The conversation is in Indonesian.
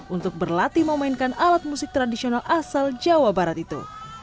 untuk berlatih memainkan alat musik tradisional asal jawa barat itu